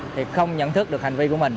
thì không nhận thức được hành vi của mình